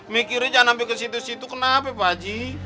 mikirin jangan ambil kesitu situ kenapa pak aji